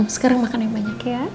sekarang makan yang banyak ya